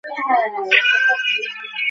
এখানে মাঝে মাঝে কোন গানের কথাই থাকে না।